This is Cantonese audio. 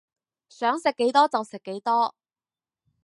想食幾多就食幾多